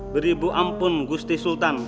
beribu ampun busti sultan